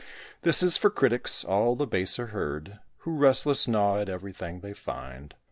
This is for critics all the baser herd. Who, restless, gnaw at everything they find.